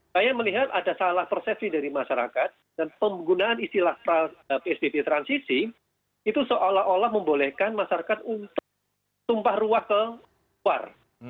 saya melihat ada salah persepsi dari masyarakat dan penggunaan istilah psbb transisi itu seolah olah membolehkan masyarakat untuk tumpah ruah ke luar